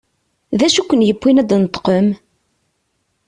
D acu i ken-yewwin ad d-tneṭqem?